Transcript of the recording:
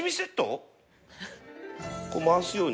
こう回すように？